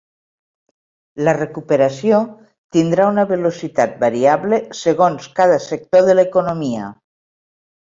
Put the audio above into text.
La recuperació tindrà una velocitat variable, segons cada sector de l’economia.